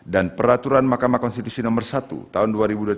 dan peraturan mahkamah konstitusi nomor satu tahun dua ribu dua puluh tiga